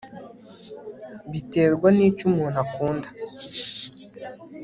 biterwa nicyo umuntu akunda